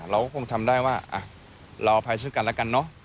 เราก็คงทำได้ว่าเราอภัยช่วยกันแล้วกันเนอะ